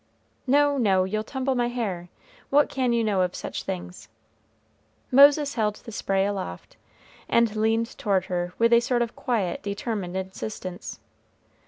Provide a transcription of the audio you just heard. "No, no; you'll tumble my hair, what can you know of such things?" Moses held the spray aloft, and leaned toward her with a sort of quiet, determined insistence.